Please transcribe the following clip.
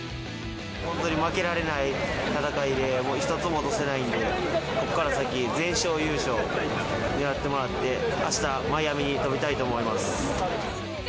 本当に負けられない戦いで、もう一つも落とせないんで、ここから先、全勝優勝狙ってもらって、あした、マイアミに飛びたいと思います。